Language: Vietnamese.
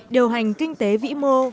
điều hành kinh tế vĩ mô